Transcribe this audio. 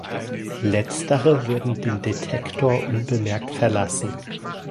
Letztere würden den Detektor unbemerkt verlassen.